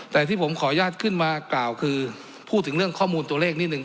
แต่ที่ผมขออนุญาตขึ้นมากล่าวคือพูดถึงเรื่องข้อมูลตัวเลขนิดหนึ่ง